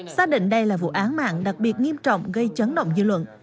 xác định đây là vụ án mạng đặc biệt nghiêm trọng gây chấn động dư luận